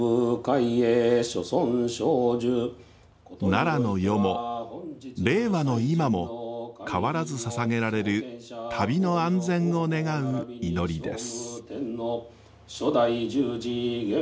奈良の世も令和の今も変わらずささげられる旅の安全を願う祈りです。